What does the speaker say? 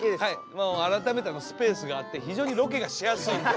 もう改めてスペースがあって非常にロケがしやすいんで。